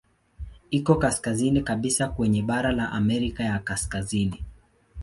Iko kaskazini kabisa kwenye bara la Amerika ya Kaskazini.